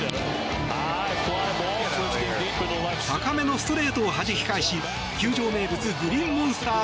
高めのストレートをはじき返し球場名物グリーンモンスター